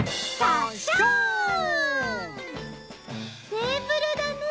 テーブルだね。